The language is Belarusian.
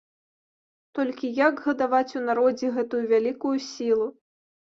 Толькі як гадаваць у народзе гэтую вялікую сілу?